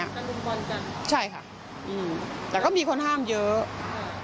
การลุมมันกันเหรอใช่ค่ะแต่ก็มีคนห้ามเยอะ